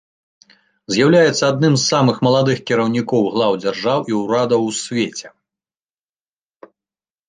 З'яўляецца адным з самых маладых кіраўнікоў глаў дзяржаў і ўрадаў у свеце.